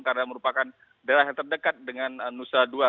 karena merupakan daerah yang terdekat dengan nusa dua